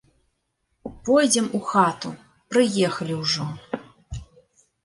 Пойдзем у хату, прыехалі ўжо.